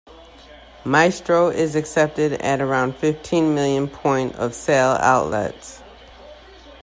Maestro is accepted at around fifteen million point of sale outlets.